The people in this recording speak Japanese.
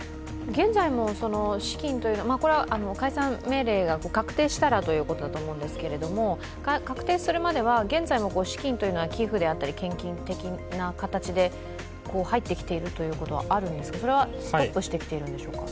解散命令が確定したらということですが確定するまでは、現在も資金というのは寄付であったり献金的な形で入ってきているということはあるんですかそれはストップしてきているんでしょうか？